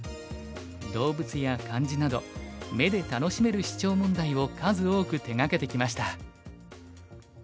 動物や漢字など目で楽しめるシチョウ問題を数多く手がけてきました。